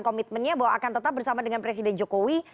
komitmennya bahwa akan tetap bersama dengan presiden jokowi